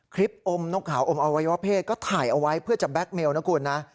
อมนกขาวอมอวัยวะเพศก็ถ่ายเอาไว้เพื่อจะแก๊กเมลนะคุณนะ